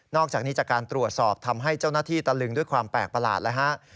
อกจากนี้จากการตรวจสอบทำให้เจ้าหน้าที่ตะลึงด้วยความแปลกประหลาดแล้วฮะ